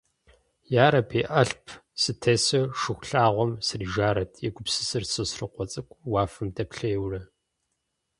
«Ярэби, алъп сытесу Шыхулъагъуэм срижарэт», егупсысырт Сосрыкъуэ цӏыкӏу уафэм дэплъейуэрэ.